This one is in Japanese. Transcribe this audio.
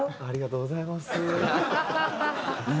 ありがとうございます。